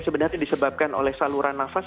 sebenarnya disebabkan oleh saluran nafas